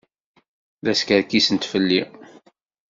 La skerkisent fell-i.